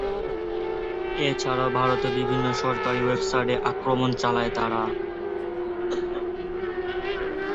এছাড়াও ভারতের বিভিন্ন সরকারি ওয়েবসাইটে আক্রমণ চালায় তারা।